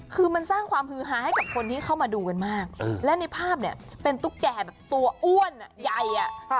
คือมันสร้างความฮือฮาให้กับคนที่เข้ามาดูกันมากและในภาพเนี่ยเป็นตุ๊กแก่แบบตัวอ้วนใหญ่